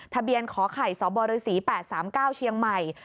ทะเบียนขอไข่สบศ๘๓๙เชียงใหม่